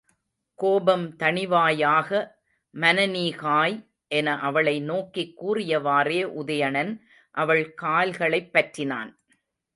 கோபம் தணிவாயாக மானனீகாய்! என அவளை நோக்கிக் கூறியவாறே உதயணன், அவள் கால்களைப் பற்றினான்.